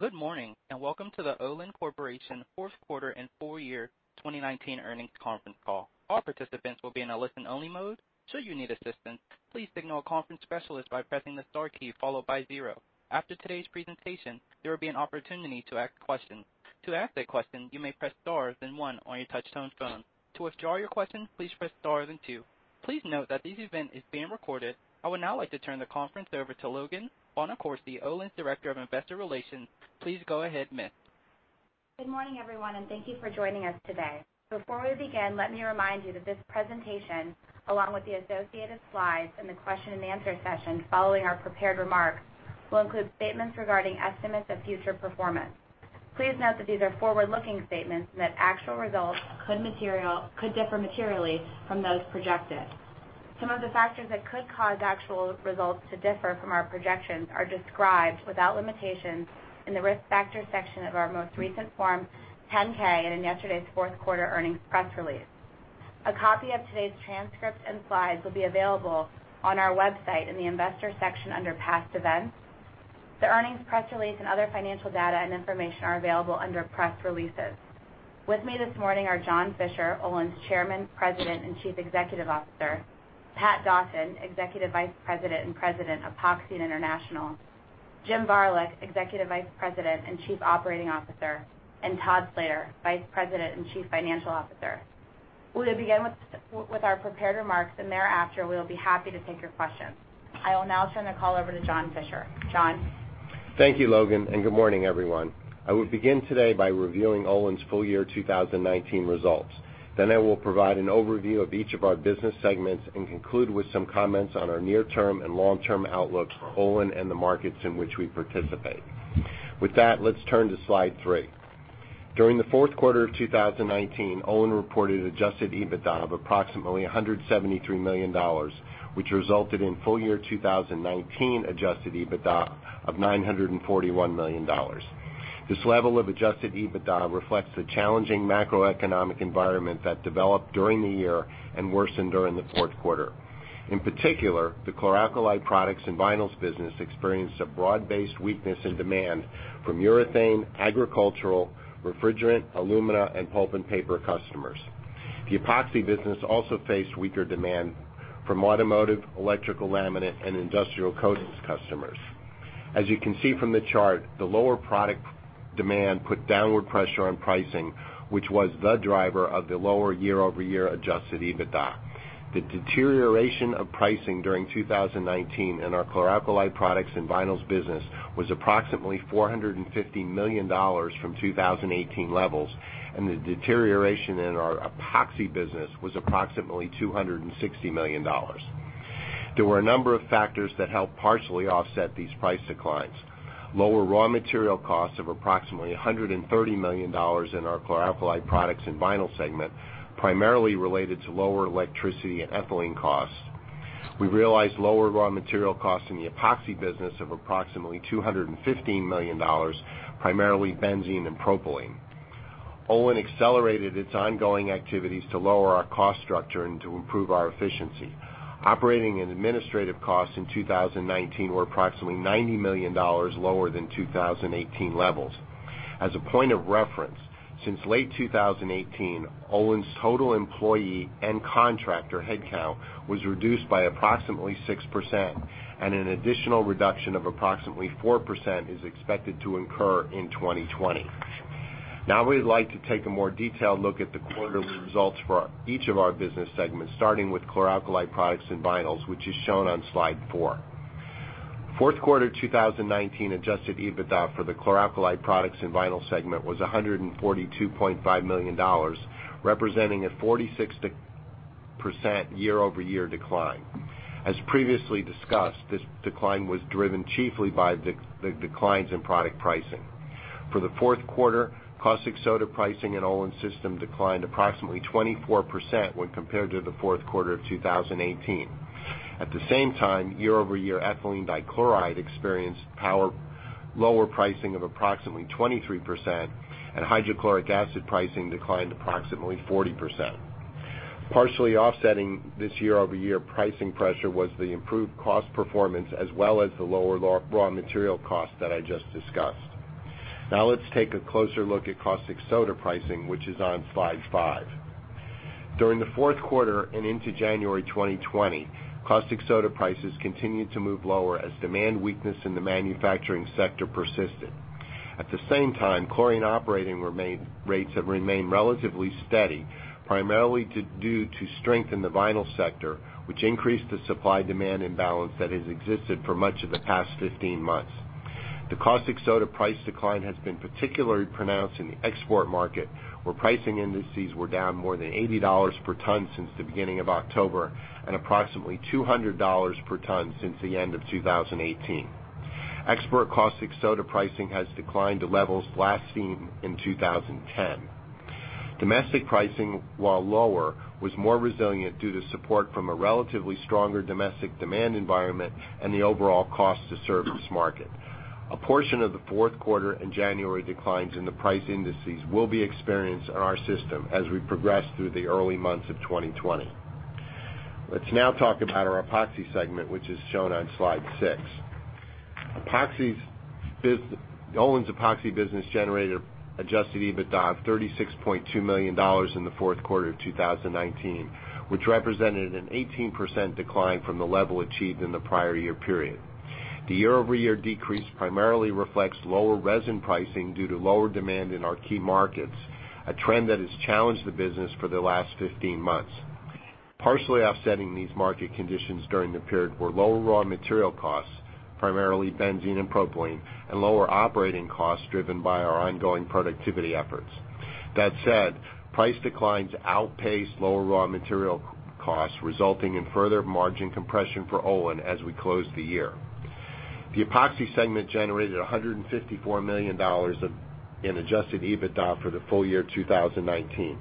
Good morning, and welcome to the Olin Corporation fourth quarter and full year 2019 earnings conference call. All participants will be in a listen-only mode. Should you need assistance, please signal a conference specialist by pressing the star key, followed by zero. After today's presentation, there will be an opportunity to ask questions. To ask a question, you may press star, then one on your touch-tone phone. To withdraw your question, please press star, then two. Please note that this event is being recorded. I would now like to turn the conference over to Logan Bonacorsi, Olin's Director of Investor Relations. Please go ahead, miss. Good morning, everyone, and thank you for joining us today. Before we begin, let me remind you that this presentation, along with the associated slides and the question and answer session following our prepared remarks, will include statements regarding estimates of future performance. Please note that these are forward-looking statements and that actual results could differ materially from those projected. Some of the factors that could cause actual results to differ from our projections are described, without limitations, in the Risk Factors section of our most recent Form 10-K and in yesterday's fourth quarter earnings press release. A copy of today's transcript and slides will be available on our website in the Investors section under Past Events. The earnings press release and other financial data and information are available under Press Releases. With me this morning are John Fischer, Olin's Chairman, President, and Chief Executive Officer; Pat Dawson, Executive Vice President and President of Epoxy and International; Jim Varilek, Executive Vice President and Chief Operating Officer; and Todd Slater, Vice President and Chief Financial Officer. We will begin with our prepared remarks, and thereafter, we'll be happy to take your questions. I will now turn the call over to John Fischer. John? Thank you, Logan, and good morning, everyone. I will begin today by reviewing Olin's full-year 2019 results. I will provide an overview of each of our business segments and conclude with some comments on our near-term and long-term outlook for Olin and the markets in which we participate. With that, let's turn to slide three. During the fourth quarter of 2019, Olin reported adjusted EBITDA of approximately $173 million, which resulted in full-year 2019 adjusted EBITDA of $941 million. This level of adjusted EBITDA reflects the challenging macroeconomic environment that developed during the year and worsened during the fourth quarter. In particular, the Chlor Alkali Products and Vinyls business experienced a broad-based weakness in demand from urethane, agricultural, refrigerant, alumina, and pulp and paper customers. The epoxy business also faced weaker demand from automotive, electrical laminate, and industrial coatings customers. As you can see from the chart, the lower product demand put downward pressure on pricing, which was the driver of the lower year-over-year adjusted EBITDA. The deterioration of pricing during 2019 in our Chlor Alkali Products and Vinyls business was approximately $450 million from 2018 levels, and the deterioration in our epoxy business was approximately $260 million. There were a number of factors that helped partially offset these price declines. Lower raw material costs of approximately $130 million in our Chlor Alkali Products and Vinyls segment, primarily related to lower electricity and ethylene costs. We realized lower raw material costs in the epoxy business of approximately $215 million, primarily benzene and propylene. Olin accelerated its ongoing activities to lower our cost structure and to improve our efficiency. Operating and administrative costs in 2019 were approximately $90 million lower than 2018 levels. As a point of reference, since late 2018, Olin's total employee and contractor headcount was reduced by approximately 6%, and an additional reduction of approximately 4% is expected to incur in 2020. Now, we'd like to take a more detailed look at the quarterly results for each of our business segments, starting with Chlor Alkali Products and Vinyls, which is shown on Slide four. Fourth quarter 2019 adjusted EBITDA for the Chlor Alkali Products and Vinyls segment was $142.5 million, representing a 46% year-over-year decline. As previously discussed, this decline was driven chiefly by the declines in product pricing. For the fourth quarter, caustic soda pricing in Olin's system declined approximately 24% when compared to the fourth quarter of 2018. At the same time, year-over-year ethylene dichloride experienced lower pricing of approximately 23%, and hydrochloric acid pricing declined approximately 40%. Partially offsetting this year-over-year pricing pressure was the improved cost performance as well as the lower raw material cost that I just discussed. Let's take a closer look at caustic soda pricing, which is on Slide five. During the fourth quarter and into January 2020, caustic soda prices continued to move lower as demand weakness in the manufacturing sector persisted. At the same time, chlorine operating rates have remained relatively steady, primarily due to strength in the vinyl sector, which increased the supply-demand imbalance that has existed for much of the past 15 months. The caustic soda price decline has been particularly pronounced in the export market, where pricing indices were down more than $80 per ton since the beginning of October and approximately $200 per ton since the end of 2018. Export caustic soda pricing has declined to levels last seen in 2010. Domestic pricing, while lower, was more resilient due to support from a relatively stronger domestic demand environment and the overall cost-to-serve this market. A portion of the fourth quarter and January declines in the price indices will be experienced in our system as we progress through the early months of 2020. Let's now talk about our Epoxy segment, which is shown on slide six. Olin's Epoxy business generated adjusted EBITDA of $36.2 million in the fourth quarter of 2019, which represented an 18% decline from the level achieved in the prior year period. The year-over-year decrease primarily reflects lower resin pricing due to lower demand in our key markets, a trend that has challenged the business for the last 15 months. Partially offsetting these market conditions during the period were lower raw material costs, primarily benzene and propylene, and lower operating costs driven by our ongoing productivity efforts. That said, price declines outpaced lower raw material costs, resulting in further margin compression for Olin as we closed the year. The Epoxy segment generated $154 million in adjusted EBITDA for the full year 2019.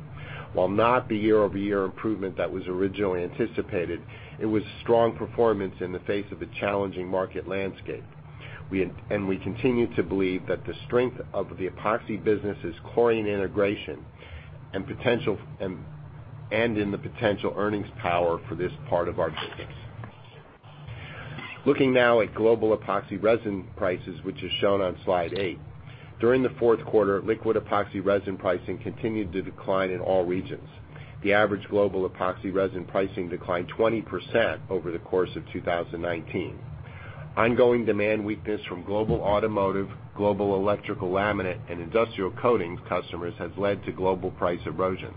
While not the year-over-year improvement that was originally anticipated, it was strong performance in the face of a challenging market landscape. We continue to believe that the strength of the Epoxy business is chlor-alkali integration, and in the potential earnings power for this part of our business. Looking now at global epoxy resin prices, which is shown on slide eight. During the fourth quarter, liquid epoxy resin pricing continued to decline in all regions. The average global epoxy resin pricing declined 20% over the course of 2019. Ongoing demand weakness from global automotive, global electrical laminate, and industrial coatings customers has led to global price erosion.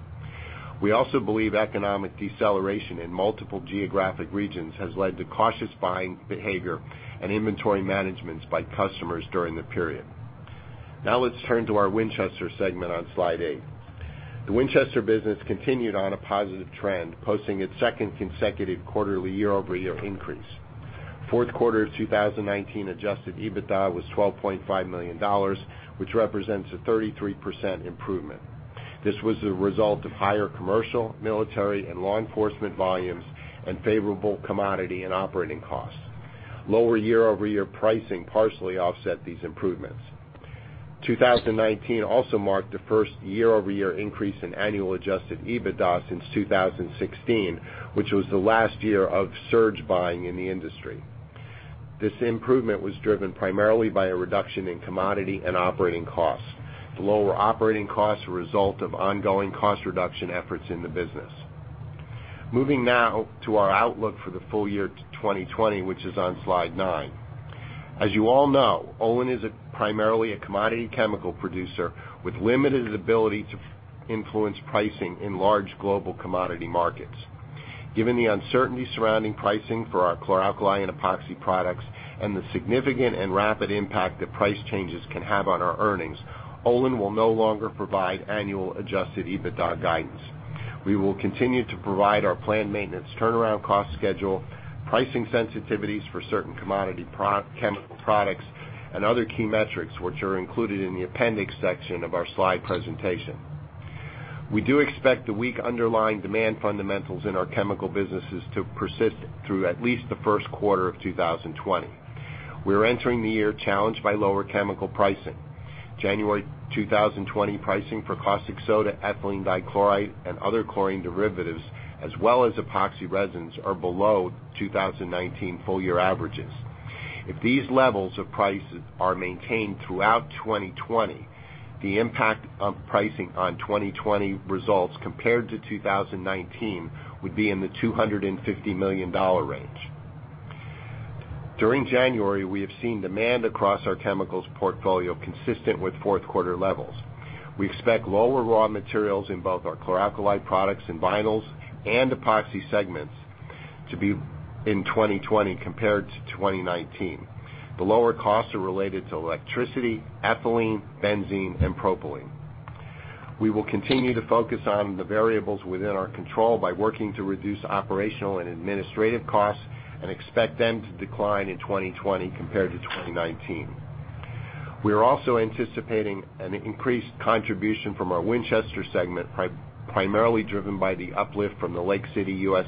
We also believe economic deceleration in multiple geographic regions has led to cautious buying behavior and inventory managements by customers during the period. Let's turn to our Winchester segment on slide eight. The Winchester business continued on a positive trend, posting its second consecutive quarterly year-over-year increase. Fourth quarter 2019 adjusted EBITDA was $12.5 million, which represents a 33% improvement. This was the result of higher commercial, military, and law enforcement volumes and favorable commodity and operating costs. Lower year-over-year pricing partially offset these improvements. 2019 also marked the first year-over-year increase in annual adjusted EBITDA since 2016, which was the last year of surge buying in the industry. This improvement was driven primarily by a reduction in commodity and operating costs. The lower operating costs were a result of ongoing cost reduction efforts in the business. Moving now to our outlook for the full year 2020, which is on slide nine. You all know, Olin is primarily a commodity chemical producer with limited ability to influence pricing in large global commodity markets. Given the uncertainty surrounding pricing for our chlor-alkali and epoxy products and the significant and rapid impact that price changes can have on our earnings, Olin will no longer provide annual adjusted EBITDA guidance. We will continue to provide our planned maintenance turnaround cost schedule, pricing sensitivities for certain commodity chemical products, and other key metrics, which are included in the appendix section of our slide presentation. We do expect the weak underlying demand fundamentals in our chemical businesses to persist through at least the first quarter of 2020. We are entering the year challenged by lower chemical pricing. January 2020 pricing for caustic soda, ethylene dichloride, and other chlorine derivatives, as well as epoxy resins, are below 2019 full year averages. If these levels of prices are maintained throughout 2020, the impact of pricing on 2020 results compared to 2019 would be in the $250 million range. During January, we have seen demand across our chemicals portfolio consistent with fourth quarter levels. We expect lower raw materials in both our Chlor Alkali Products and Vinyls and Epoxy segments to be in 2020 compared to 2019. The lower costs are related to electricity, ethylene, benzene, and propylene. We will continue to focus on the variables within our control by working to reduce operational and administrative costs and expect them to decline in 2020 compared to 2019. We are also anticipating an increased contribution from our Winchester segment, primarily driven by the uplift from the Lake City U.S.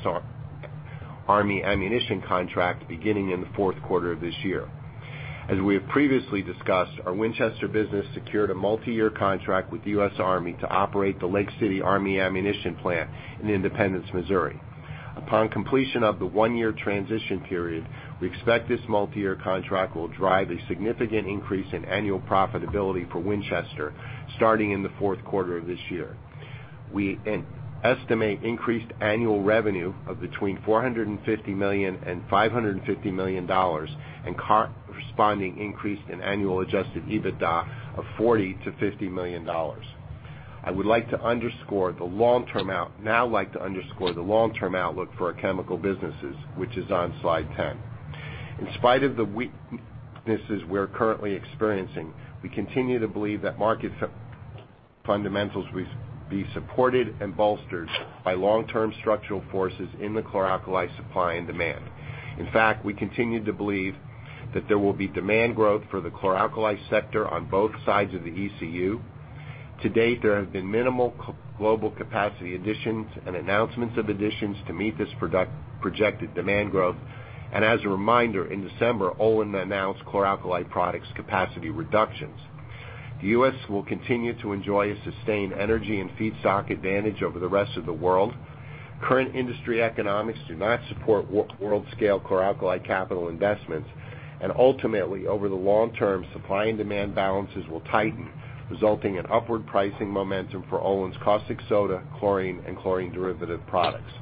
Army ammunition contract beginning in the fourth quarter of this year. As we have previously discussed, our Winchester business secured a multi-year contract with the U.S. Army to operate the Lake City Army Ammunition Plant in Independence, Missouri. Upon completion of the one-year transition period, we expect this multi-year contract will drive a significant increase in annual profitability for Winchester, starting in the fourth quarter of this year. We estimate increased annual revenue of between $450 million and $550 million, and corresponding increase in annual adjusted EBITDA of $40 million-$50 million. I would now like to underscore the long-term outlook for our chemical businesses, which is on slide 10. In spite of the weaknesses we are currently experiencing, we continue to believe that market fundamentals will be supported and bolstered by long-term structural forces in the chlor-alkali supply and demand. In fact, we continue to believe that there will be demand growth for the chlor-alkali sector on both sides of the ECU. To date, there have been minimal global capacity additions and announcements of additions to meet this projected demand growth. As a reminder, in December, Olin announced chlor-alkali products capacity reductions. The U.S. will continue to enjoy a sustained energy and feedstock advantage over the rest of the world. Current industry economics do not support world-scale chlor-alkali capital investments, and ultimately, over the long term, supply and demand balances will tighten, resulting in upward pricing momentum for Olin's caustic soda, chlorine, and chlorine derivative products.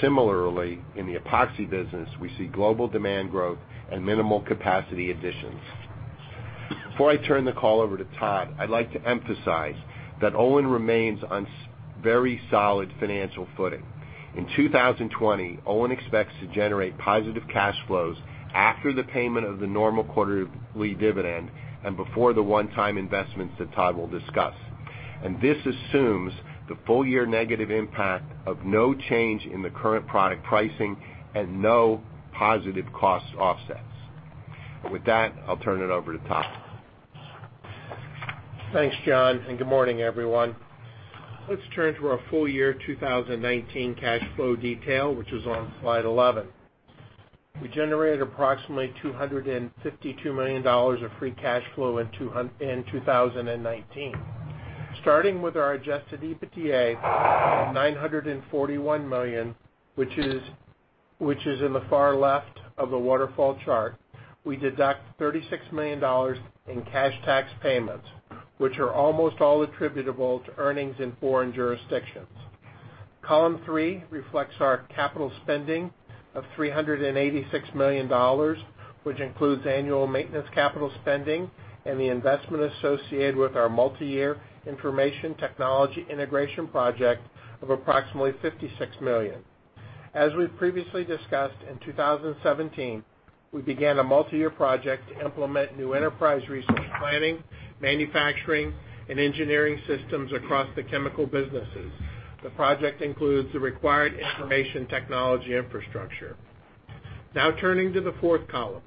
Similarly, in the epoxy business, we see global demand growth and minimal capacity additions. Before I turn the call over to Todd, I'd like to emphasize that Olin remains on very solid financial footing. In 2020, Olin expects to generate positive cash flows after the payment of the normal quarterly dividend and before the one-time investments that Todd will discuss. This assumes the full-year negative impact of no change in the current product pricing and no positive cost offsets. With that, I'll turn it over to Todd. Thanks, John. Good morning, everyone. Let's turn to our full year 2019 cash flow detail, which is on slide 11. We generated approximately $252 million of free cash flow in 2019. Starting with our adjusted EBITDA of $941 million, which is in the far left of the waterfall chart, we deduct $36 million in cash tax payments, which are almost all attributable to earnings in foreign jurisdictions. Column three reflects our capital spending of $386 million, which includes annual maintenance capital spending and the investment associated with our multi-year information technology integration project of approximately $56 million. As we've previously discussed, in 2017, we began a multi-year project to implement new enterprise resource planning, manufacturing, and engineering systems across the chemical businesses. The project includes the required information technology infrastructure. Turning to the fourth column.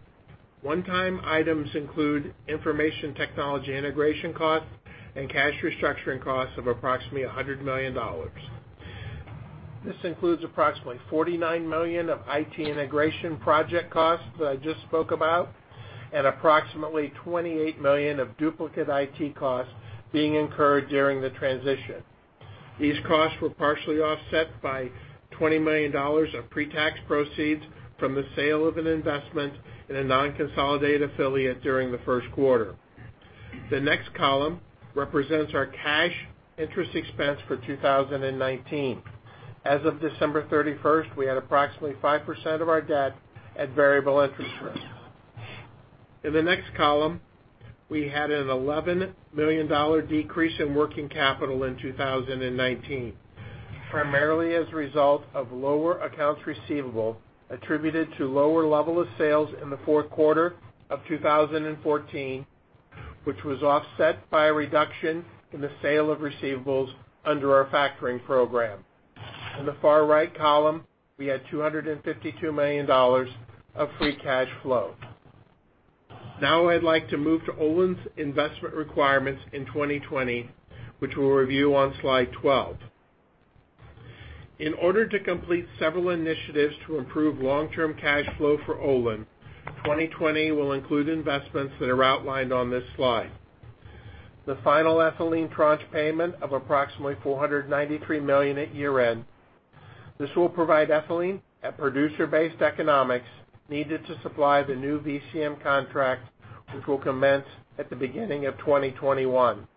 One-time items include information technology integration costs and cash restructuring costs of approximately $100 million. This includes approximately $49 million of IT integration project costs that I just spoke about, and approximately $28 million of duplicate IT costs being incurred during the transition. These costs were partially offset by $20 million of pre-tax proceeds from the sale of an investment in a non-consolidated affiliate during the first quarter. The next column represents our cash interest expense for 2019. As of December 31st, we had approximately 5% of our debt at variable interest rates. In the next column, we had an $11 million decrease in working capital in 2019, primarily as a result of lower accounts receivable attributed to lower level of sales in the fourth quarter of 2014, which was offset by a reduction in the sale of receivables under our factoring program. In the far-right column, we had $252 million of free cash flow. Now I'd like to move to Olin's investment requirements in 2020, which we'll review on slide 12. In order to complete several initiatives to improve long-term cash flow for Olin, 2020 will include investments that are outlined on this slide. The final ethylene tranche payment of approximately $493 million at year-end. This will provide ethylene at producer-based economics needed to supply the new VCM contract, which will commence at the beginning of 2021.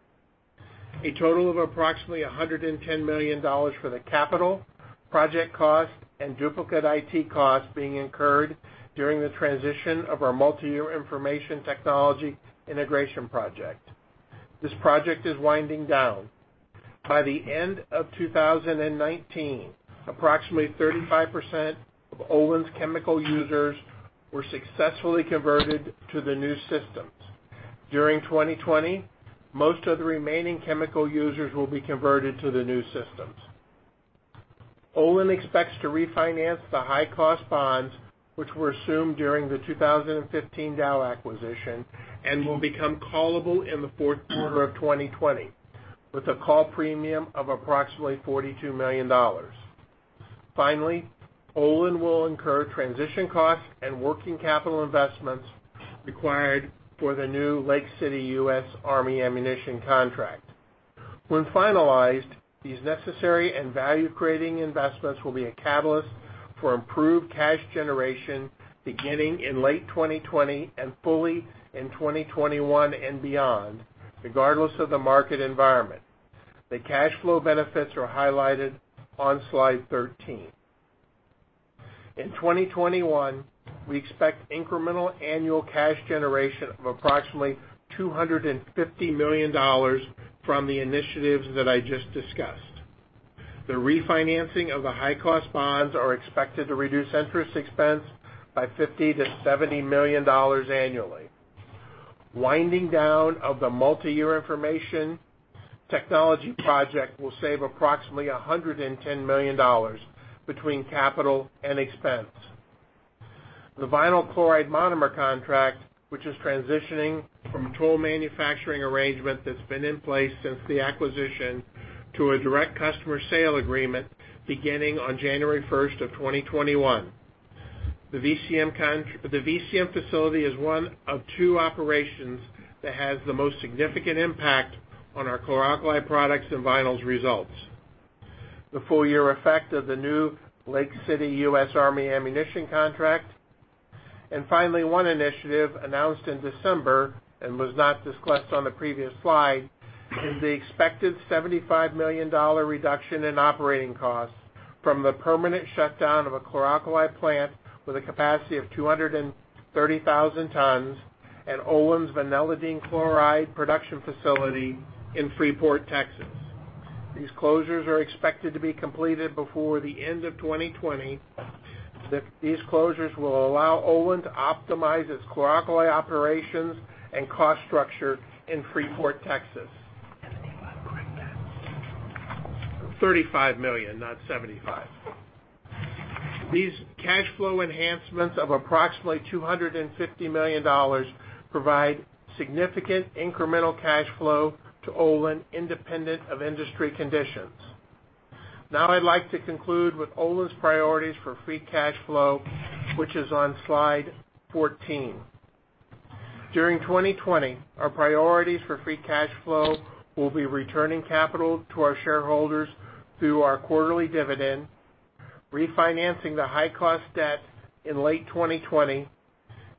A total of approximately $110 million for the capital project cost and duplicate IT costs being incurred during the transition of our multi-year information technology integration project. This project is winding down. By the end of 2019, approximately 35% of Olin's chemical users were successfully converted to the new systems. During 2020, most of the remaining chemical users will be converted to the new systems. Olin expects to refinance the high-cost bonds, which were assumed during the 2015 Dow acquisition and will become callable in the fourth quarter of 2020, with a call premium of approximately $42 million. Finally, Olin will incur transition costs and working capital investments required for the new Lake City U.S. Army ammunition contract. When finalized, these necessary and value-creating investments will be a catalyst for improved cash generation beginning in late 2020 and fully in 2021 and beyond, regardless of the market environment. The cash flow benefits are highlighted on slide 13. In 2021, we expect incremental annual cash generation of approximately $250 million from the initiatives that I just discussed. The refinancing of the high-cost bonds are expected to reduce interest expense by $50 million-$70 million annually. Winding down of the multi-year information technology project will save approximately $110 million between capital and expense. The vinyl chloride monomer contract, which is transitioning from toll manufacturing arrangement that's been in place since the acquisition to a direct customer sale agreement beginning on January 1st of 2021. The VCM facility is one of two operations that has the most significant impact on our Chlor Alkali Products and Vinyls results. The full year effect of the new Lake City U.S. Army ammunition contract. Finally, one initiative announced in December and was not discussed on the previous slide is the expected $75 million reduction in operating costs from the permanent shutdown of a chlor-alkali plant with a capacity of 230,000 tons at Olin's vinylidene chloride production facility in Freeport, Texas. These closures are expected to be completed before the end of 2020. These closures will allow Olin to optimize its chlor-alkali operations and cost structure in Freeport, Texas. 75, correct that. $35 million, not $75 million. These cash flow enhancements of approximately $250 million provide significant incremental cash flow to Olin independent of industry conditions. I'd like to conclude with Olin's priorities for free cash flow, which is on slide 14. During 2020, our priorities for free cash flow will be returning capital to our shareholders through our quarterly dividend, refinancing the high-cost debt in late 2020,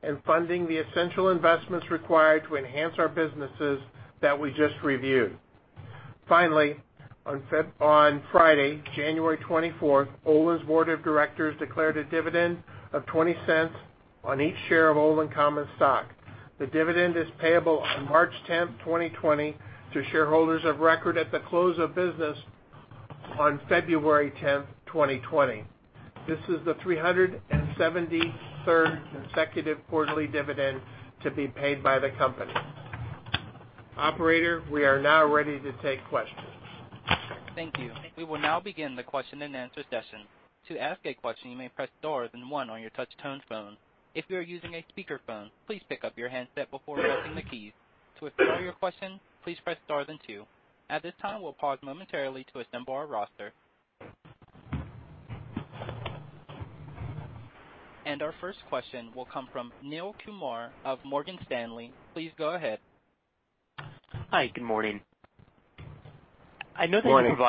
and funding the essential investments required to enhance our businesses that we just reviewed. On Friday, January 24th, Olin's board of directors declared a dividend of $0.20 on each share of Olin common stock. The dividend is payable on March 10th, 2020 to shareholders of record at the close of business on February 10th, 2020. This is the 373rd consecutive quarterly dividend to be paid by the company. Operator, we are now ready to take questions. Thank you. We will now begin the question and answer session. To ask a question, you may press star then one on your touch-tone phone. If you are using a speakerphone, please pick up your handset before pressing the keys. To withdraw your question, please press star then two. At this time, we'll pause momentarily to assemble our roster. Our first question will come from Neel Kumar of Morgan Stanley. Please go ahead. Hi, good morning. Morning.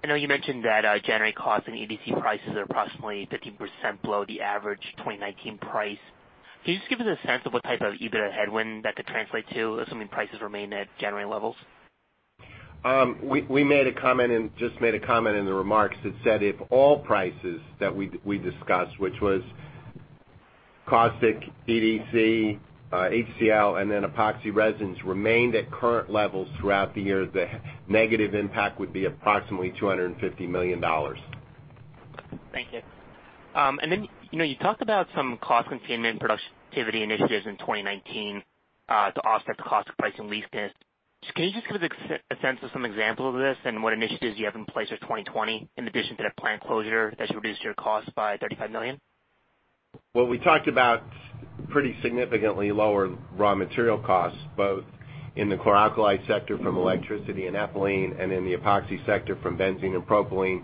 I know you mentioned that January costs and EDC prices are approximately 15% below the average 2019 price. Can you just give us a sense of what type of EBITDA headwind that could translate to, assuming prices remain at January levels? We just made a comment in the remarks that said if all prices that we discussed, which was caustic, EDC, HCL, and then epoxy resins, remained at current levels throughout the year, the negative impact would be approximately $250 million. Thank you. Then you talked about some cost containment productivity initiatives in 2019 to offset the cost of pricing weakness. Can you just give a sense of some examples of this and what initiatives you have in place for 2020 in addition to that plant closure that should reduce your cost by $35 million? Well, we talked about pretty significantly lower raw material costs, both in the chlor-alkali sector from electricity and ethylene, and in the epoxy sector from benzene and propylene.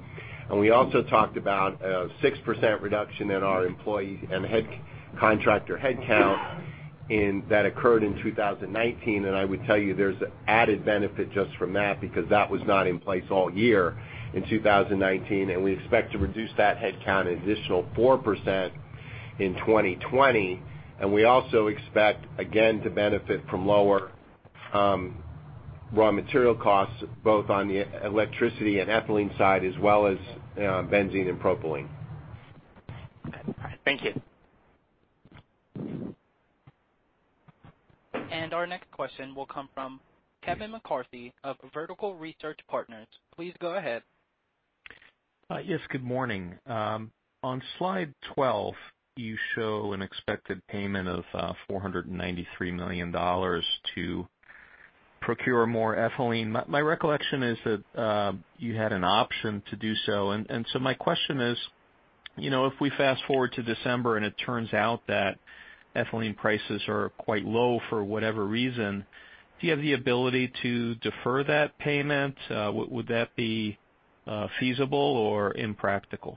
We also talked about a 6% reduction in our employee and contractor headcount that occurred in 2019. I would tell you there's added benefit just from that because that was not in place all year in 2019. We expect to reduce that headcount an additional 4% in 2020. We also expect again to benefit from lower raw material costs, both on the electricity and ethylene side as well as benzene and propylene. Okay. All right. Thank you. Our next question will come from Kevin McCarthy of Vertical Research Partners. Please go ahead. Yes, good morning. On slide 12, you show an expected payment of $493 million to procure more ethylene. My recollection is that you had an option to do so. My question is, if we fast-forward to December and it turns out that ethylene prices are quite low for whatever reason, do you have the ability to defer that payment? Would that be feasible or impractical?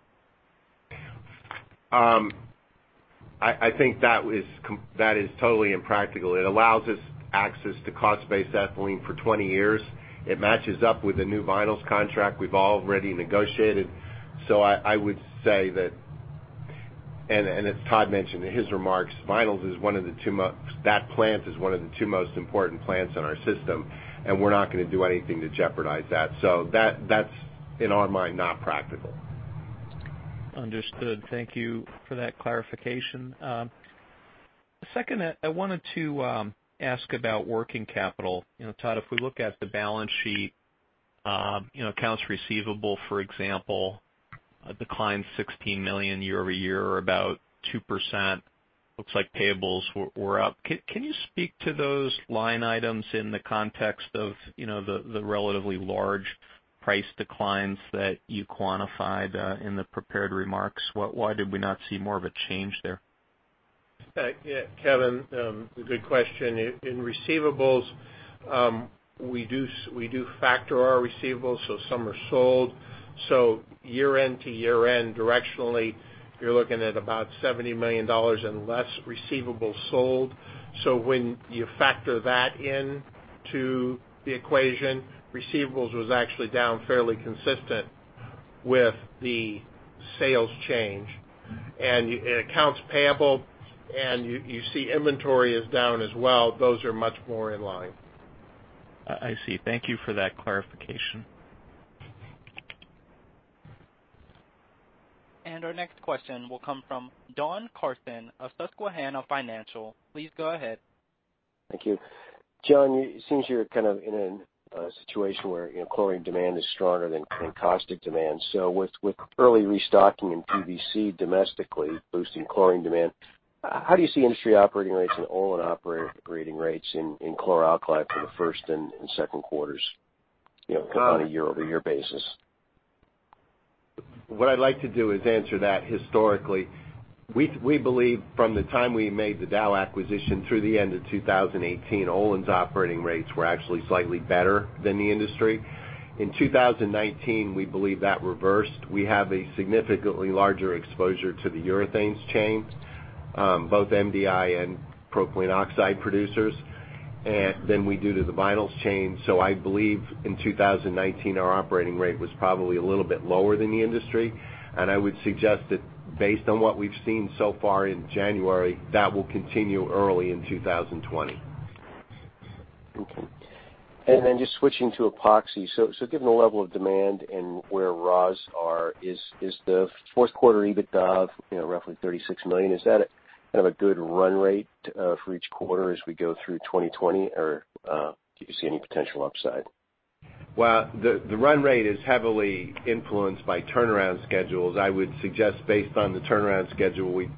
I think that is totally impractical. It allows us access to cost-based ethylene for 20 years. It matches up with the new vinyls contract we've already negotiated. I would say that, and as Todd mentioned in his remarks, that plant is one of the two most important plants in our system, and we're not going to do anything to jeopardize that. That's, in our mind, not practical. Understood. Thank you for that clarification. Second, I wanted to ask about working capital. Todd, if we look at the balance sheet, accounts receivable, for example, declined $16 million year-over-year or about 2%. Looks like payables were up. Can you speak to those line items in the context of the relatively large price declines that you quantified in the prepared remarks? Why did we not see more of a change there? Yeah, Kevin, a good question. In receivables, we do factor our receivables. Some are sold. Year-end to year-end, directionally, you're looking at about $70 million in less receivables sold. When you factor that into the equation, receivables was actually down fairly consistent with the sales change. Accounts payable, and you see inventory is down as well, those are much more in line. I see. Thank you for that clarification. Our next question will come from Don Carson of Susquehanna Financial. Please go ahead. Thank you. John, it seems you're kind of in a situation where chlorine demand is stronger than caustic demand. With early restocking in PVC domestically boosting chlorine demand, how do you see industry operating rates and Olin operating rates in chlor-alkali for the first and second quarters on a year-over-year basis? What I'd like to do is answer that historically. We believe from the time we made the Dow acquisition through the end of 2018, Olin's operating rates were actually slightly better than the industry. In 2019, we believe that reversed. We have a significantly larger exposure to the urethanes chain, both MDI and propylene oxide producers, than we do to the vinyls chain. I believe in 2019, our operating rate was probably a little bit lower than the industry. I would suggest that based on what we've seen so far in January, that will continue early in 2020. Okay. Just switching to Epoxy. Given the level of demand and where raws are, is the fourth quarter EBITDA of roughly $36 million, is that kind of a good run rate for each quarter as we go through 2020? Do you see any potential upside? The run rate is heavily influenced by turnaround schedules. I would suggest based on the turnaround schedule we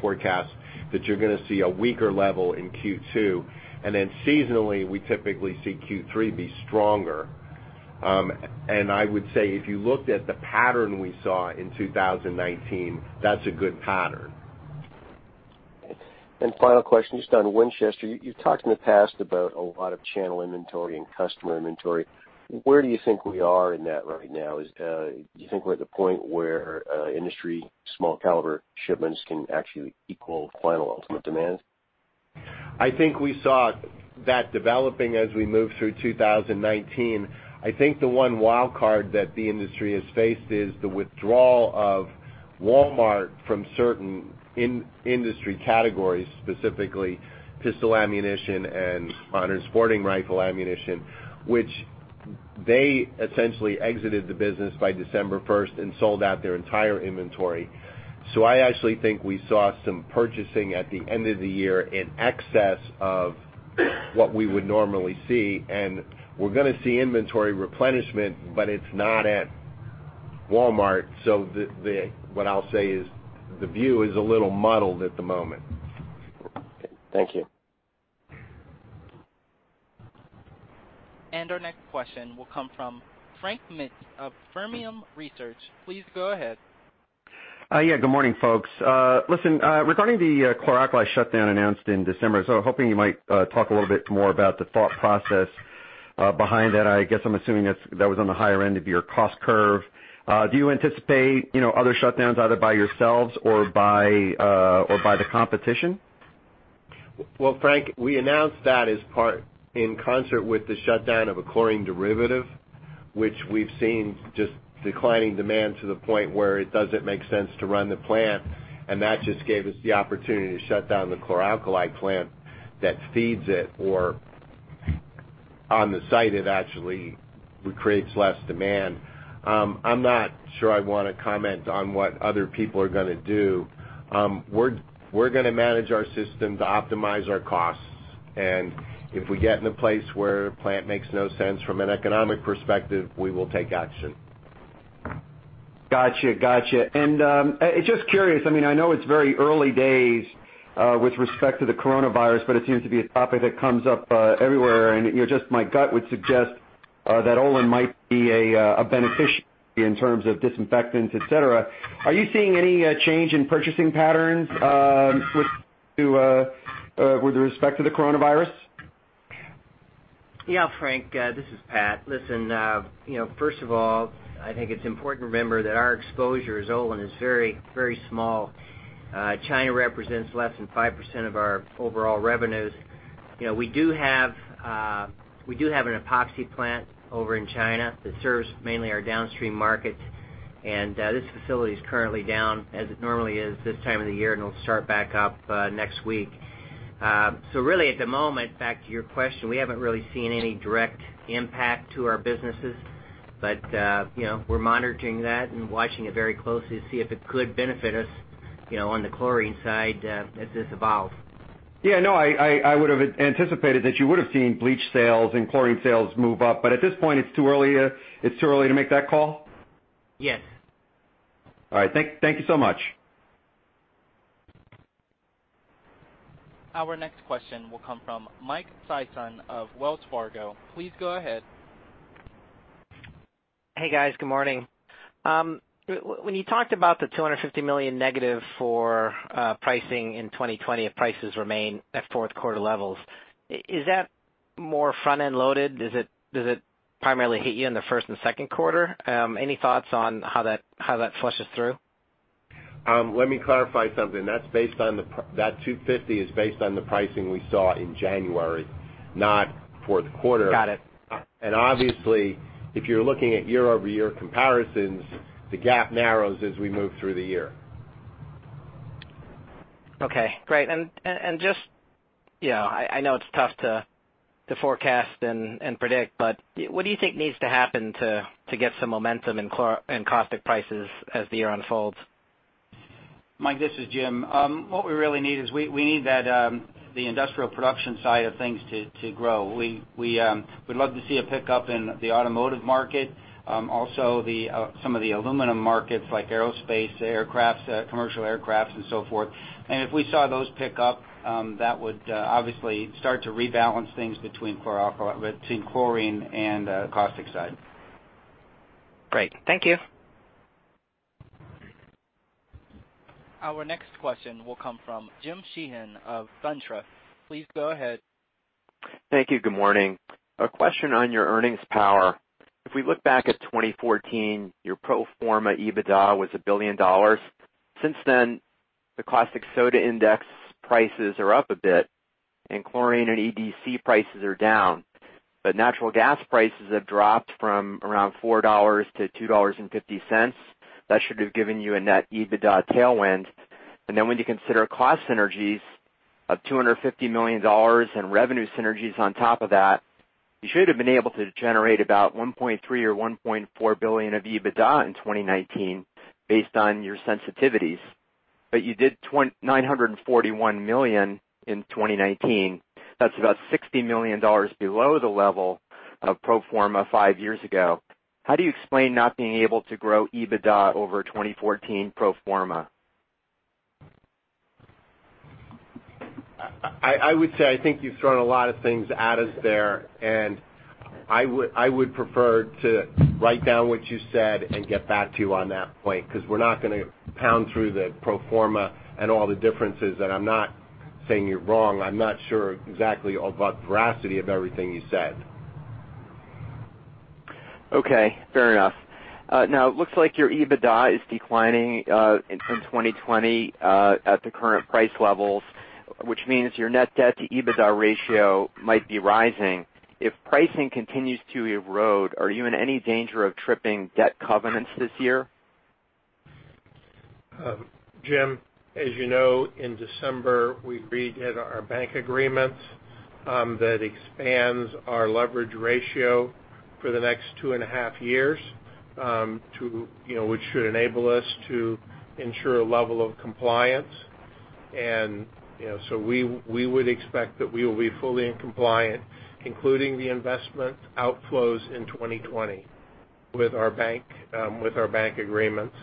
forecast, that you're going to see a weaker level in Q2, then seasonally, we typically see Q3 be stronger. I would say if you looked at the pattern we saw in 2019, that's a good pattern. Final question, just on Winchester. You've talked in the past about a lot of channel inventory and customer inventory. Where do you think we are in that right now? Do you think we're at the point where industry small caliber shipments can actually equal final ultimate demand? I think we saw that developing as we moved through 2019. I think the one wild card that the industry has faced is the withdrawal of Walmart from certain industry categories, specifically pistol ammunition and modern sporting rifle ammunition, which they essentially exited the business by December 1st and sold out their entire inventory. I actually think we saw some purchasing at the end of the year in excess of what we would normally see, and we're going to see inventory replenishment, but it's not at Walmart. What I'll say is the view is a little muddled at the moment. Okay. Thank you. Our next question will come from Frank Mitsch of Fermium Research. Please go ahead. Yeah, good morning, folks. Listen, regarding the chlor-alkali shutdown announced in December, I was hoping you might talk a little bit more about the thought process behind that. I guess I'm assuming that was on the higher end of your cost curve. Do you anticipate other shutdowns, either by yourselves or by the competition? Well, Frank, we announced that as part in concert with the shutdown of a chlorine derivative, which we've seen just declining demand to the point where it doesn't make sense to run the plant. That just gave us the opportunity to shut down the chlor-alkali plant that feeds it. On the site, it actually creates less demand. I'm not sure I want to comment on what other people are going to do. We're going to manage our system to optimize our costs. If we get in a place where a plant makes no sense from an economic perspective, we will take action. Got you. Just curious, I know it's very early days with respect to the coronavirus, but it seems to be a topic that comes up everywhere, and just my gut would suggest that Olin might be a beneficiary in terms of disinfectants, et cetera. Are you seeing any change in purchasing patterns with respect to the coronavirus? Yeah, Frank, this is Pat. Listen, first of all, I think it's important to remember that our exposure as Olin is very small. China represents less than 5% of our overall revenues. We do have an epoxy plant over in China that serves mainly our downstream markets. This facility is currently down as it normally is this time of the year, and it'll start back up next week. Really at the moment, back to your question, we haven't really seen any direct impact to our businesses. We're monitoring that and watching it very closely to see if it could benefit us on the chlorine side as this evolves. Yeah. No, I would've anticipated that you would have seen bleach sales and chlorine sales move up. At this point, it's too early to make that call? Yes. All right. Thank you so much. Our next question will come from Michael Sison of Wells Fargo. Please go ahead. Hey guys, good morning. When you talked about the $250 million negative for pricing in 2020, if prices remain at fourth quarter levels, is that more front-end loaded? Does it primarily hit you in the first and second quarter? Any thoughts on how that flushes through? Let me clarify something. That $250 is based on the pricing we saw in January, not fourth quarter. Got it. Obviously, if you're looking at year-over-year comparisons, the gap narrows as we move through the year. Okay, great. Just, I know it's tough to forecast and predict, but what do you think needs to happen to get some momentum in caustic prices as the year unfolds? Michael, this is Jim. What we really need is we need the industrial production side of things to grow. We'd love to see a pickup in the automotive market. Also, some of the aluminum markets like aerospace, aircrafts, commercial aircrafts, and so forth. If we saw those pick up, that would obviously start to rebalance things between chlorine and the caustic side. Great. Thank you. Our next question will come from James Sheehan of SunTrust Robinson Humphrey. Please go ahead. Thank you. Good morning. A question on your earnings power. If we look back at 2014, your pro forma EBITDA was $1 billion. Since then, the caustic soda index prices are up a bit, and chlorine and EDC prices are down. Natural gas prices have dropped from around $4 to $2.50. That should have given you a net EBITDA tailwind. When you consider cost synergies of $250 million and revenue synergies on top of that, you should have been able to generate about $1.3 billion or $1.4 billion of EBITDA in 2019 based on your sensitivities. You did $941 million in 2019. That's about $60 million below the level of pro forma five years ago. How do you explain not being able to grow EBITDA over 2014 pro forma? I would say, I think you've thrown a lot of things at us there. I would prefer to write down what you said and get back to you on that point, because we're not going to pound through the pro forma and all the differences. I'm not saying you're wrong. I'm not sure exactly about the veracity of everything you said. Okay, fair enough. It looks like your EBITDA is declining in 2020 at the current price levels, which means your net debt to EBITDA ratio might be rising. If pricing continues to erode, are you in any danger of tripping debt covenants this year? James, as you know, in December, we redid our bank agreements. That expands our leverage ratio for the next 2.5 years which should enable us to ensure a level of compliance. We would expect that we will be fully compliant, including the investment outflows in 2020 with our bank agreements.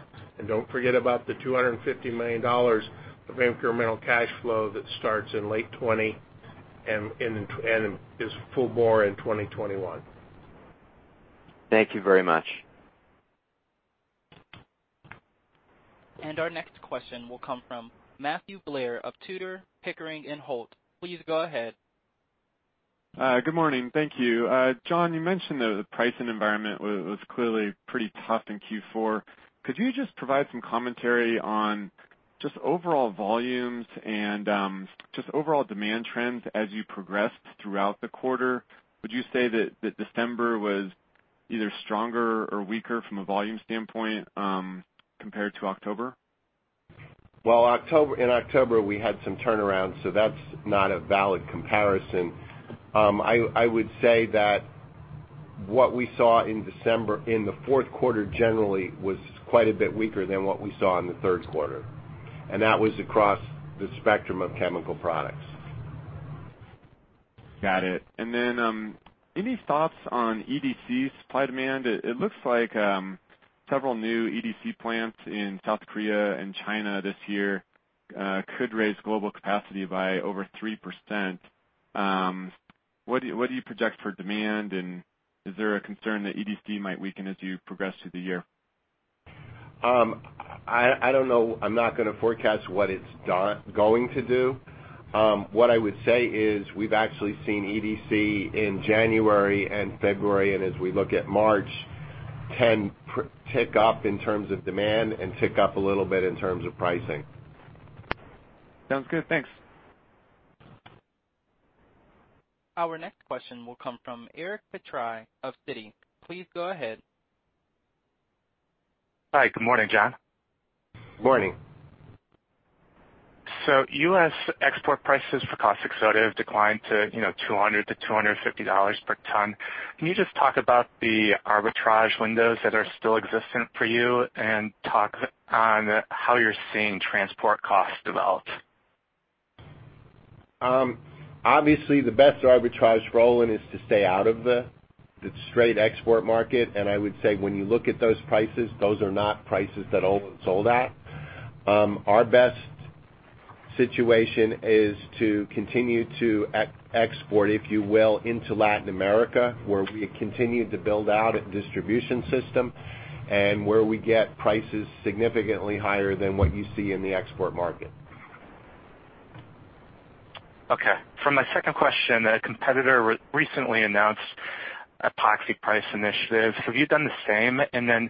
Don't forget about the $250 million of incremental cash flow that starts in late 2020 and is full bore in 2021. Thank you very much. Our next question will come from Matthew Blair of Tudor, Pickering, Holt & Co. Please go ahead. Good morning. Thank you. John, you mentioned that the pricing environment was clearly pretty tough in Q4. Could you just provide some commentary on just overall volumes and just overall demand trends as you progressed throughout the quarter? Would you say that December was either stronger or weaker from a volume standpoint compared to October? Well, in October we had some turnarounds, so that's not a valid comparison. I would say that what we saw in December, in the fourth quarter, generally, was quite a bit weaker than what we saw in the third quarter. That was across the spectrum of chemical products. Got it. Any thoughts on EDC supply-demand? It looks like several new EDC plants in South Korea and China this year could raise global capacity by over 3%. What do you project for demand, and is there a concern that EDC might weaken as you progress through the year? I don't know. I'm not going to forecast what it's going to do. What I would say is we've actually seen EDC in January and February, and as we look at March, can pick up in terms of demand and pick up a little bit in terms of pricing. Sounds good. Thanks. Our next question will come from Eric Petrie of Citi. Please go ahead. Hi, good morning, John. Morning. U.S. export prices for caustic soda have declined to $200-$250 per ton. Can you just talk about the arbitrage windows that are still existent for you and talk on how you're seeing transport costs develop? Obviously, the best arbitrage role is to stay out of the straight export market. I would say when you look at those prices, those are not prices that Olin sold at. Our best situation is to continue to export, if you will, into Latin America, where we continue to build out a distribution system and where we get prices significantly higher than what you see in the export market. Okay. For my second question, a competitor recently announced epoxy price initiative. Have you done the same? Broadly,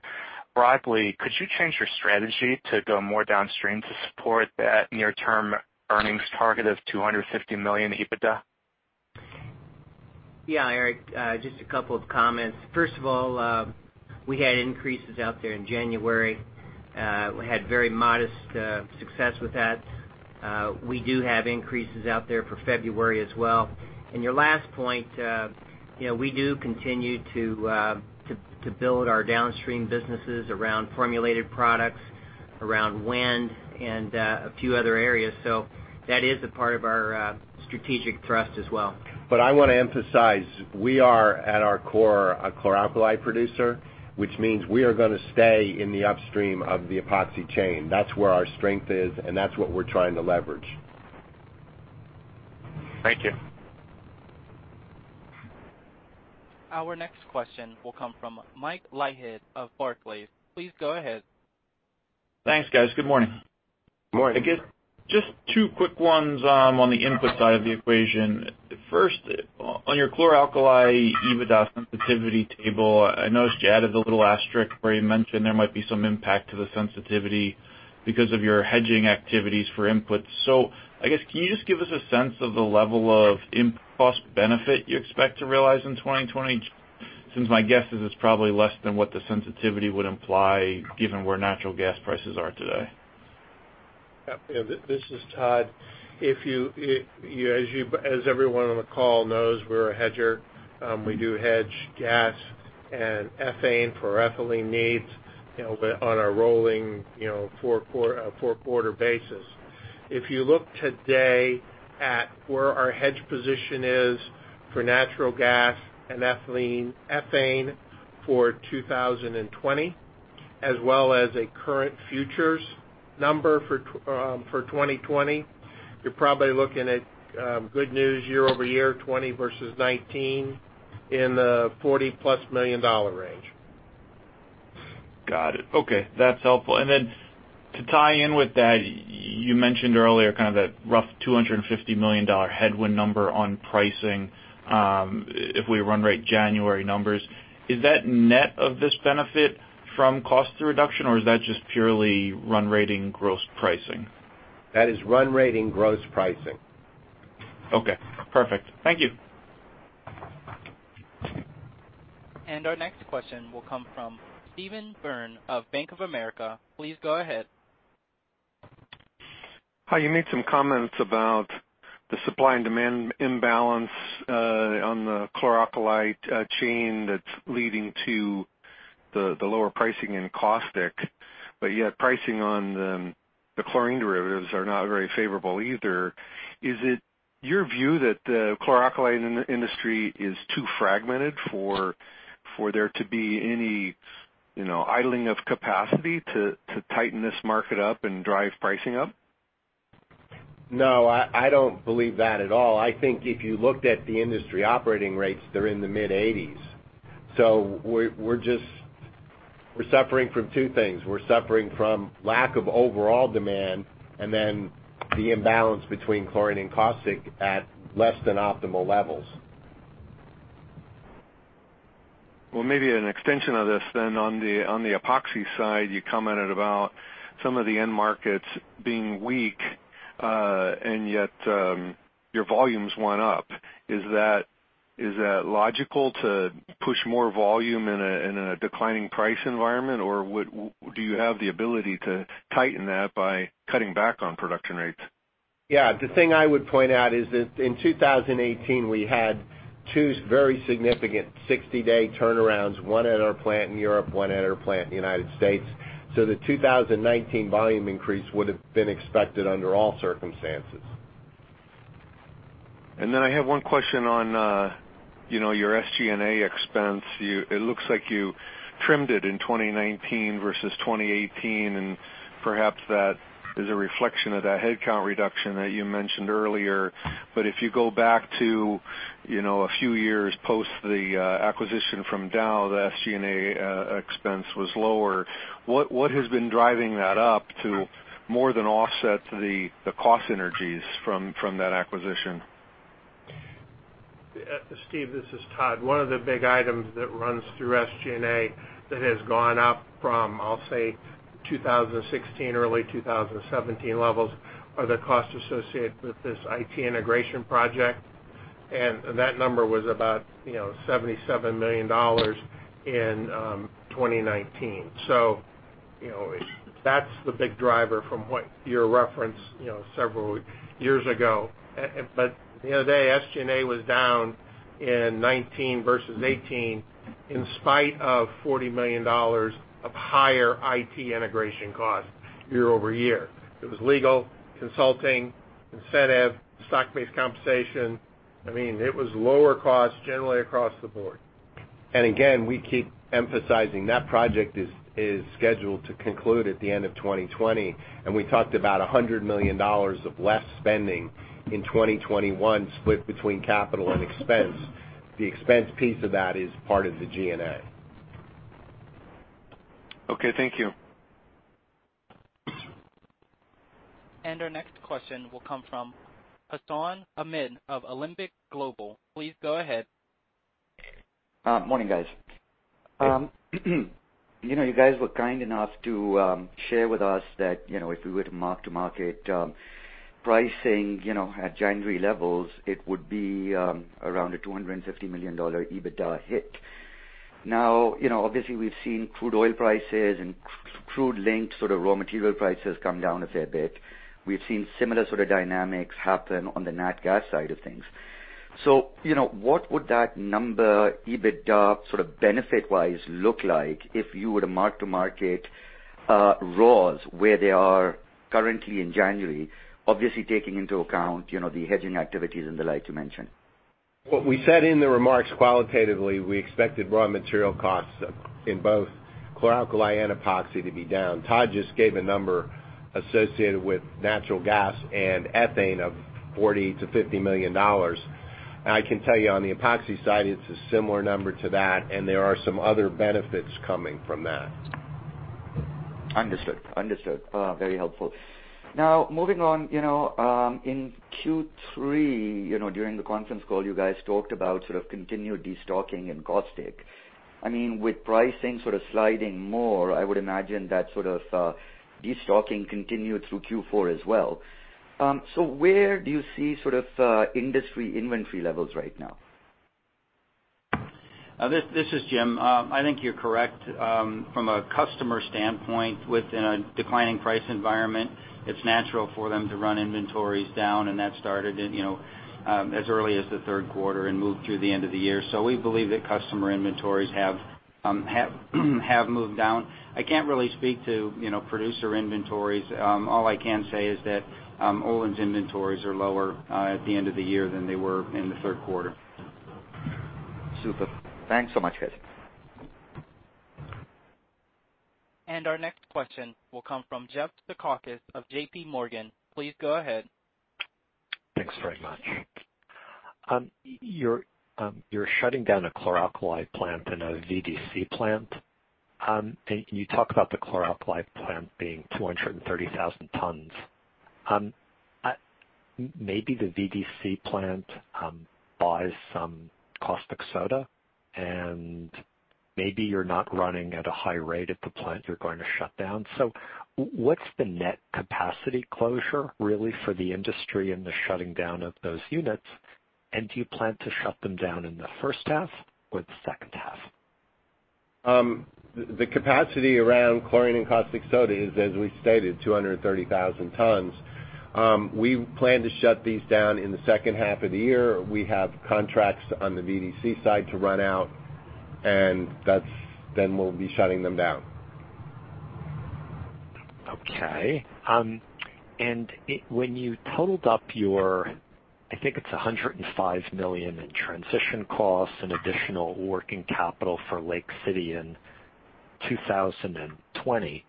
could you change your strategy to go more downstream to support that near-term earnings target of $250 million EBITDA? Yeah, Eric, just a couple of comments. First of all, we had increases out there in January. We had very modest success with that. We do have increases out there for February as well. Your last point, we do continue to build our downstream businesses around formulated products, around vinylidene chloride, and a few other areas. That is a part of our strategic thrust as well. I want to emphasize, we are at our core, a chlor-alkali producer, which means we are going to stay in the upstream of the epoxy chain. That's where our strength is, and that's what we're trying to leverage. Thank you. Our next question will come from Michael Leithead of Barclays. Please go ahead. Thanks, guys. Good morning. Morning. I guess just two quick ones on the input side of the equation. First, on your chlor-alkali EBITDA sensitivity table, I noticed you added the little asterisk where you mentioned there might be some impact to the sensitivity because of your hedging activities for input. I guess, can you just give us a sense of the level of cost benefit you expect to realize in 2020, since my guess is it's probably less than what the sensitivity would imply, given where natural gas prices are today. Yeah. This is Todd. As everyone on the call knows, we're a hedger. We do hedge gas and ethane for ethylene needs on a rolling four quarter basis. If you look today at where our hedge position is for natural gas and ethane for 2020, as well as a current futures number for 2020, you're probably looking at good news year-over-year 2020 versus 2019 in the $40 plus million dollar range. Got it. Okay, that's helpful. To tie in with that, you mentioned earlier kind of the rough $250 million headwind number on pricing if we run rate January numbers. Is that net of this benefit from cost reduction, or is that just purely run rating gross pricing? That is run rating gross pricing. Okay, perfect. Thank you. Our next question will come from Steve Byrne of Bank of America. Please go ahead. Hi, you made some comments about the supply and demand imbalance on the chlor-alkali chain that's leading to the lower pricing in caustic, yet pricing on the chlorine derivatives are not very favorable either. Is it your view that the chlor-alkali industry is too fragmented for there to be any idling of capacity to tighten this market up and drive pricing up? No, I don't believe that at all. I think if you looked at the industry operating rates, they're in the mid-80s. We're suffering from two things. We're suffering from lack of overall demand and then the imbalance between chlorine and caustic at less than optimal levels. Well, maybe an extension of this then on the epoxy side, you commented about some of the end markets being weak, and yet your volumes went up. Is that logical to push more volume in a declining price environment, or do you have the ability to tighten that by cutting back on production rates? Yeah. The thing I would point out is that in 2018, we had two very significant 60-day turnarounds, one at our plant in Europe, one at our plant in the U.S. The 2019 volume increase would have been expected under all circumstances. I have one question on your SG&A expense. It looks like you trimmed it in 2019 versus 2018, and perhaps that is a reflection of that headcount reduction that you mentioned earlier. If you go back to a few years post the acquisition from Dow, the SG&A expense was lower. What has been driving that up to more than offset the cost synergies from that acquisition? Steve, this is Todd. One of the big items that runs through SG&A that has gone up from, I'll say, 2016, early 2017 levels, are the costs associated with this IT integration project. That number was about $77 million in 2019. That's the big driver from what your reference several years ago. The other day, SG&A was down in 2019 versus 2018 in spite of $40 million of higher IT integration costs year-over-year. It was legal, consulting, incentive, stock-based compensation. It was lower costs generally across the board. Again, we keep emphasizing that project is scheduled to conclude at the end of 2020. We talked about $100 million of less spending in 2021, split between capital and expense. The expense piece of that is part of the G&A. Okay, thank you. Our next question will come from Hassan Ahmed of Alembic Global Advisors. Please go ahead. Morning, guys. Hey. You guys were kind enough to share with us that if we were to mark-to-market pricing at January levels, it would be around a $250 million EBITDA hit. Now, obviously we've seen crude oil prices and crude-linked sort of raw material prices come down a fair bit. We've seen similar sort of dynamics happen on the nat gas side of things. What would that number, EBITDA sort of benefit-wise look like if you were to mark-to-market rows where they are currently in January, obviously taking into account the hedging activities and the like you mentioned? What we said in the remarks qualitatively, we expected raw material costs in both chlor-alkali and epoxy to be down. Todd just gave a number associated with natural gas and ethane of $40 million-$50 million. I can tell you on the epoxy side, it's a similar number to that, and there are some other benefits coming from that. Understood. Very helpful. Moving on. In Q3, during the conference call, you guys talked about sort of continued destocking in caustic. With pricing sort of sliding more, I would imagine that sort of destocking continued through Q4 as well. Where do you see sort of industry inventory levels right now? This is Jim. I think you're correct. From a customer standpoint, within a declining price environment, it's natural for them to run inventories down, and that started as early as the third quarter and moved through the end of the year. We believe that customer inventories have moved down. I can't really speak to producer inventories. All I can say is that Olin's inventories are lower at the end of the year than they were in the third quarter. Super. Thanks so much, guys. Our next question will come from Jeff Zekauskas of JPMorgan. Please go ahead. Thanks very much. You're shutting down a chlor-alkali plant and a VDC plant. You talk about the chlor-alkali plant being 230,000 tons. Maybe the VDC plant buys some caustic soda, and maybe you're not running at a high rate at the plant you're going to shut down. What's the net capacity closure really for the industry in the shutting down of those units? Do you plan to shut them down in the first half or the second half? The capacity around chlorine and caustic soda is, as we stated, 230,000 tons. We plan to shut these down in the second half of the year. We have contracts on the VDC side to run out, and then we'll be shutting them down. Okay. When you totaled up your, I think it's $105 million in transition costs and additional working capital for Lake City in 2020,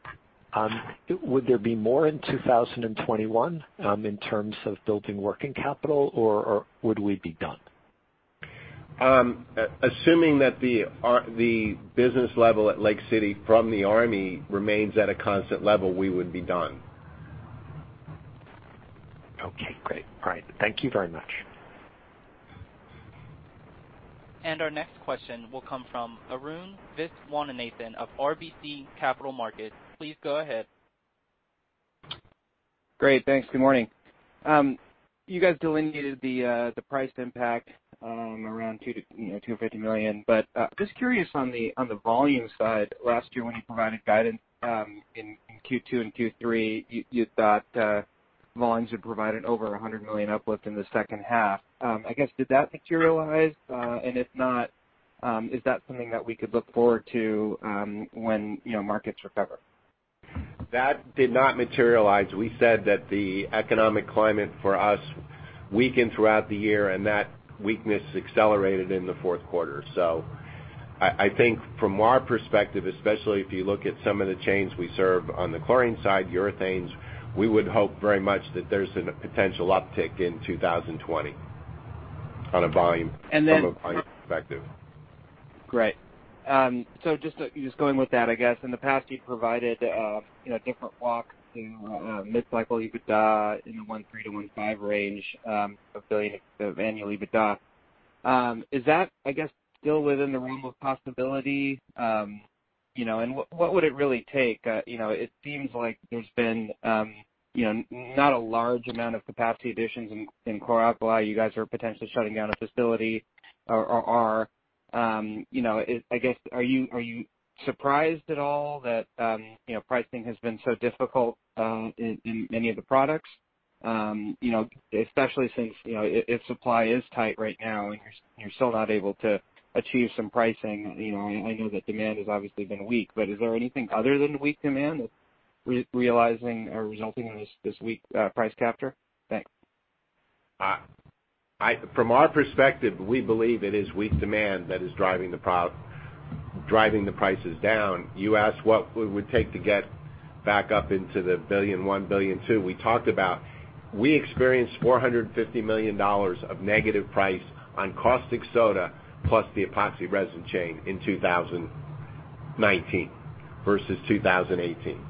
would there be more in 2021 in terms of building working capital, or would we be done? Assuming that the business level at Lake City from the Army remains at a constant level, we would be done. Okay, great. All right. Thank you very much. Our next question will come from Arun Viswanathan of RBC Capital Markets. Please go ahead. Great, thanks. Good morning. You guys delineated the price impact around $250 million. Just curious on the volume side. Last year when you provided guidance in Q2 and Q3, you thought volumes would provide an over $100 million uplift in the second half. I guess, did that materialize? If not, is that something that we could look forward to when markets recover? That did not materialize. We said that the economic climate for us weakened throughout the year, and that weakness accelerated in the fourth quarter. I think from our perspective, especially if you look at some of the chains we serve on the chlorine side, urethanes, we would hope very much that there's a potential uptick in 2020 on a volume perspective. Great. Just going with that, I guess, in the past you've provided different walks to mid-cycle EBITDA in the $1.3-$1.5 range of annual EBITDA. Is that, I guess, still within the realm of possibility? What would it really take? It seems like there's been not a large amount of capacity additions in chlor-alkali. You guys are potentially shutting down a facility. I guess, are you surprised at all that pricing has been so difficult in many of the products? Especially since if supply is tight right now and you're still not able to achieve some pricing. I know that demand has obviously been weak, but is there anything other than weak demand that's realizing or resulting in this weak price capture? Thanks. From our perspective, we believe it is weak demand that is driving the prices down. You asked what it would take to get back up into the $1.1 billion, $1.2 billion. We talked about, we experienced $450 million of negative price on caustic soda plus the epoxy resin chain in 2019 versus 2018.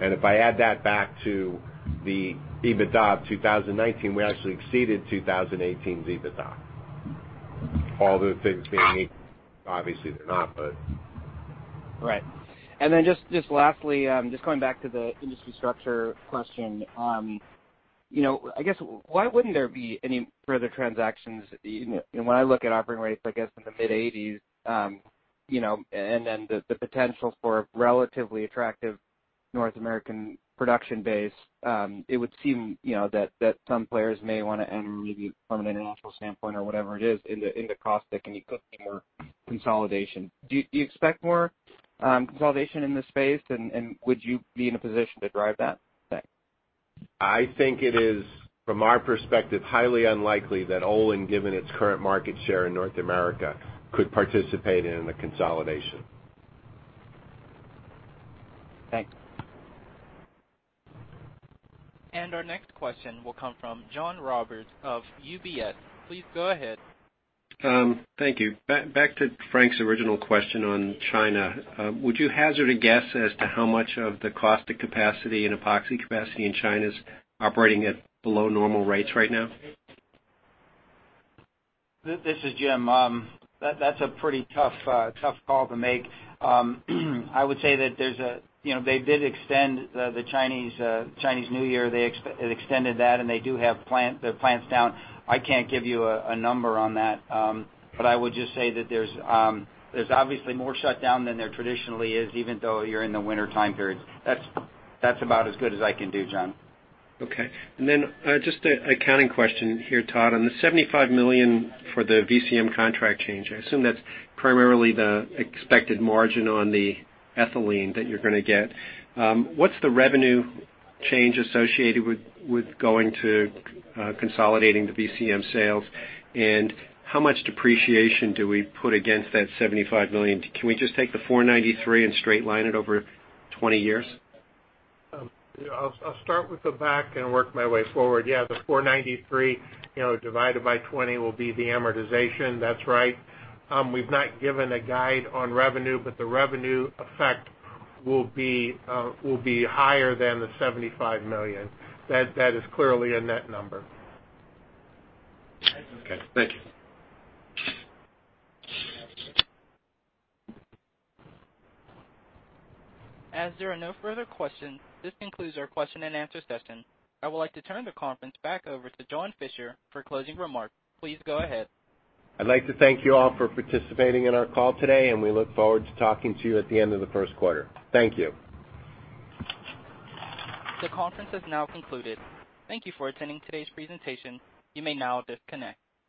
And if I add that back to the EBITDA of 2019, we actually exceeded 2018's EBITDA. All other things being equal. Obviously, they're not. Right. Then just lastly, just going back to the industry structure question. I guess why wouldn't there be any further transactions? When I look at operating rates, I guess in the mid-80s, then the potential for a relatively attractive North American production base, it would seem that some players may want to enter, maybe from an international standpoint or whatever it is, in the caustic and more consolidation. Do you expect more consolidation in this space? Would you be in a position to drive that? Thanks. I think it is, from our perspective, highly unlikely that Olin, given its current market share in North America, could participate in a consolidation. Thanks. Our next question will come from John Roberts of UBS. Please go ahead. Thank you. Back to Frank's original question on China. Would you hazard a guess as to how much of the caustic capacity and epoxy capacity in China is operating at below normal rates right now? This is Jim. That's a pretty tough call to make. I would say that they did extend the Chinese New Year. It extended that, and they do have the plants down. I can't give you a number on that. I would just say that there's obviously more shut down than there traditionally is, even though you're in the winter time periods. That's about as good as I can do, John. Okay. Just an accounting question here, Todd. On the $75 million for the VCM contract change, I assume that's primarily the expected margin on the ethylene that you're going to get. What's the revenue change associated with going to consolidating the VCM sales, and how much depreciation do we put against that $75 million? Can we just take the $493 and straight line it over 20 years? I'll start with the back and work my way forward. Yeah, the 493 divided by 20 will be the amortization. That's right. We've not given a guide on revenue, but the revenue effect will be higher than the $75 million. That is clearly a net number. Okay. Thank you. As there are no further questions, this concludes our question and answer session. I would like to turn the conference back over to John Fischer for closing remarks. Please go ahead. I'd like to thank you all for participating in our call today, and we look forward to talking to you at the end of the first quarter. Thank you. The conference has now concluded. Thank you for attending today's presentation. You may now disconnect.